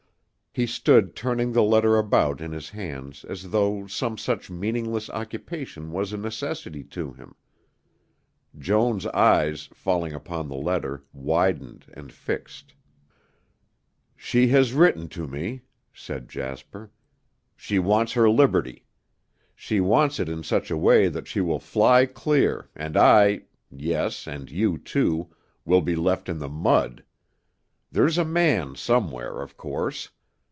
He stood turning the letter about in his hands as though some such meaningless occupation was a necessity to him. Joan's eyes, falling upon the letter, widened and fixed. "She has written to me," said Jasper. "She wants her liberty. She wants it in such a way that she will fly clear and I yes, and you, too, will be left in the mud. There's a man somewhere, of course.